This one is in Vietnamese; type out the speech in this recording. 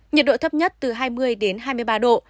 nhiệt độ thấp nhất từ hai mươi đến hai mươi ba độ